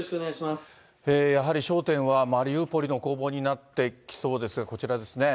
やはり焦点は、マリウポリの攻防になってきそうですが、こちらですね。